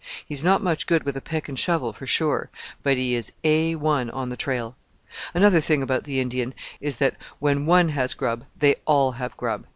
He is not much good with a pick and shovel for sure; but he is A1 on the trail. Another thing about the Indian is that when one has grub they all have grub.